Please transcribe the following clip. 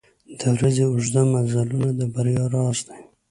• د ورځې اوږده مزلونه د بریا راز دی.